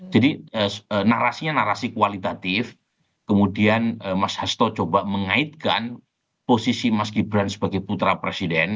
jadi narasinya narasi kualitatif kemudian mas hasto coba mengaitkan posisi mas gibran sebagai putra presiden